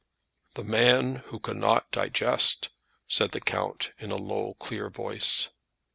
"The man who cannot digest," said the count, in a low clear voice.